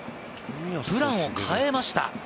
プランを変えました。